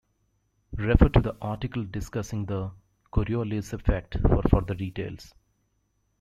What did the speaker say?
Refer to the article discussing the Coriolis Effect for further details.